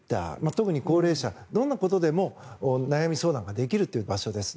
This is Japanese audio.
特に高齢者どんなことでも、悩み相談ができるという場所です。